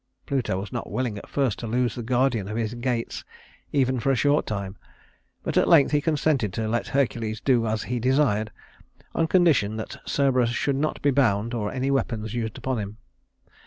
Pluto was not willing at first to lose the guardian of his gates even for a short time; but at length he consented to let Hercules do as he desired on condition that Cerberus should not be bound or any weapons used upon him.